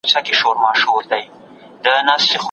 ایا څېړونکی باید د لیکوال نظر بېل کړي؟